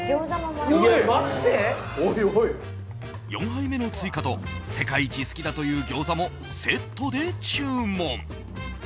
４杯目の追加と世界一好きだというギョーザもセットで注文。